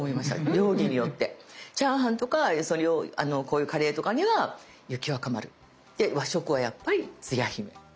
料理によってチャーハンとかこういうカレーとかには雪若丸。で和食はやっぱりつや姫。